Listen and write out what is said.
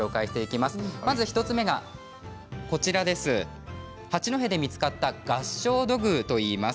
まず１つ目が八戸で見つかった合掌土偶といいます。